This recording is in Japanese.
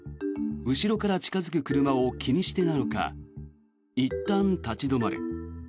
後ろから近付く車を気にしてなのかいったん立ち止まる。